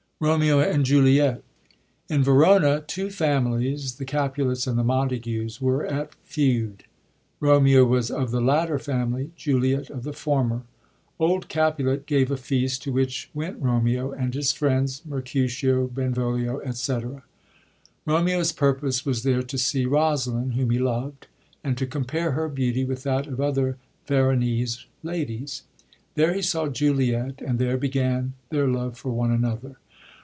RoMBO AND JuLiBT. — In Verona, two families, the Capulets and the Montagues, were at feud. Bomeo was of the latter family, Juliet of the former. Old Oapulet gave a feast, to which went Homeo and his friends, Mercutio, Benvolio, &c. Romeo's purpose was there to see Rosaline, whom he lovd, and to compare her beauty with that of other Veronese ladies. There he saw Juliet, and there began their love for one another.